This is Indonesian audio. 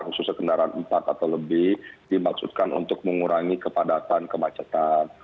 khususnya kendaraan empat atau lebih dimaksudkan untuk mengurangi kepadatan kemacetan